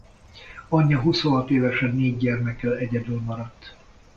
Anyja huszonhat évesen négy gyermekkel egyedül maradt.